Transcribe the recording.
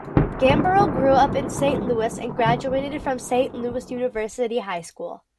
Gambaro grew up in Saint Louis and graduated from Saint Louis University High School.